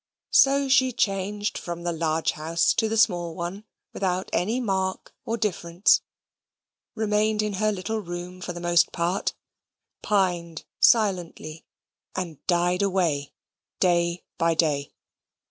So she changed from the large house to the small one without any mark or difference; remained in her little room for the most part; pined silently; and died away day by day.